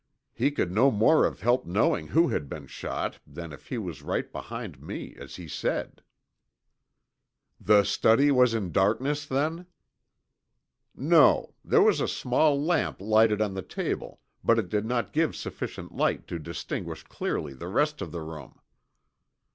He could no more have helped knowing who had been shot than I if he was right behind me as he said! "The study was in darkness then?" "No. There was a small lamp lighted on the table but it did not give sufficient light to distinguish clearly the rest of the room."